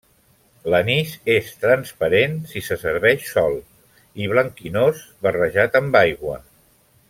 L'anís és transparent si se serveix sol, i blanquinós barrejat amb aigua.